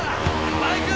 バイク！